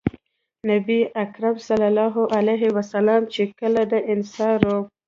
نبي کريم صلی الله عليه وسلم چې کله د انصارو